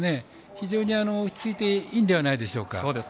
非常に落ち着いていいんではないでしょうか。